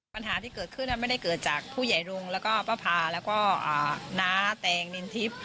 ปัญหาที่เกิดขึ้นไม่ได้เกิดจากผู้ใหญ่รุงแล้วก็ป้าพาแล้วก็น้าแตงนินทิพย์